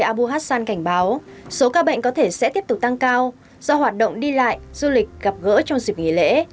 abu hassan cảnh báo số ca bệnh có thể sẽ tiếp tục tăng cao do hoạt động đi lại du lịch gặp gỡ trong dịp nghỉ lễ